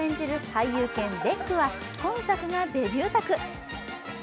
俳優犬・ベックは今作がデビュー作。